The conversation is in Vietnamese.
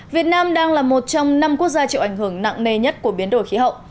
việt nam đang là một trong năm quốc gia chịu ảnh hưởng nặng nề nhất của biến đổi khí hậu